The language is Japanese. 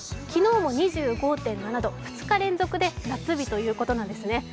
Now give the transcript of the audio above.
昨日も２５．７度、２日連続で夏日ということなんですね。